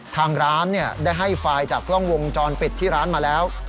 ทางร้านได้ให้ไฟล์จากกล้องวงจรปิดที่ร้านมาแล้ว